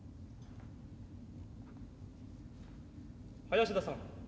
林田さん